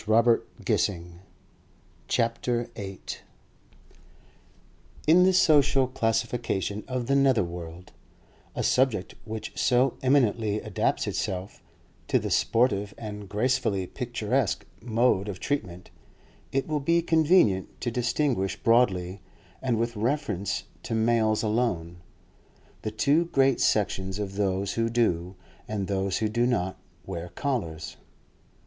CHAPTER VIII PENNYLOAF CANDY In the social classification of the nether world—a subject which so eminently adapts itself to the sportive and gracefully picturesque mode of treatment—it will be convenient to distinguish broadly, and with reference to males alone, the two great sections of those who do, and those who do not, wear collars.